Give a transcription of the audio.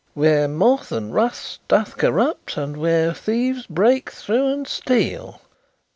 "' where moth and rust doth corrupt and where thieves break through and steal.'